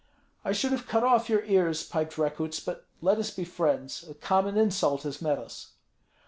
"I should have cut off your ears," piped Rekuts; "but let us be friends, a common insult has met us."